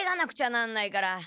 なんないから。